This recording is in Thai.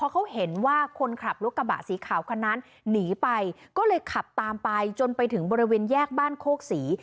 เขาก็เลยขับตามไปจนไปถึงบริเวณแยกบ้านโคกศรี